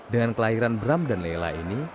dengan kelahiran bram dan lela ini